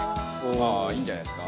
ああーいいんじゃないですか？